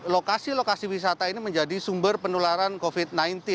lokasi lokasi wisata ini menjadi sumber penularan covid sembilan belas